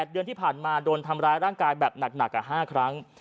เดือนที่ผ่านมาโดนทำร้ายร่างกายแบบหนัก๕ครั้ง